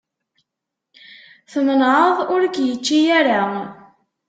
Tmenεeḍ ur k-yečči ara.